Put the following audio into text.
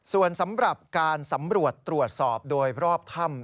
ส่วนสำหรับการสำรวจตรวจสอบโดยรอบถ้ำ